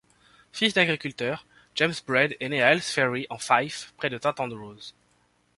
Fils d'agriculteur, James Braid est né à Earlsferry en Fife, près de Saint Andrews.